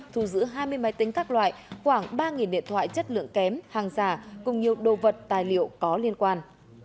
thu giữ hai mươi máy tính các loại khoảng ba điện thoại chất lượng kém hàng giả cùng nhiều đồ vật tài liệu có liên quan